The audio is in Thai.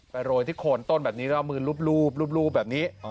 โรยที่โคนต้นแบบนี้แล้วเอามือลูบแบบนี้